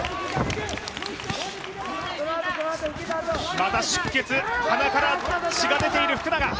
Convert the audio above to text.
また出血、鼻から血が出ている福永。